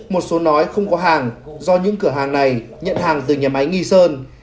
một số nói không có hàng do những cửa hàng này nhận hàng từ nhà máy nghi sơn